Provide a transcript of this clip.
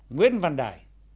nguyễn văn đại